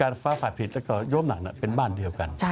การไฟฟ้าผลิตและการย่มหลักเป็นบ้านเดียวกัน